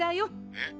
えっ？